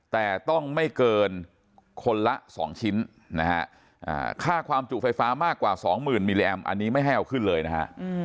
แต่ต้องไม่เกินคนละ๒ชิ้นนะฮะค่าความจุไฟฟ้ามากกว่า๒๐๐๐มิลลิแอมอันนี้ไม่ให้เอาขึ้นเลยนะฮะ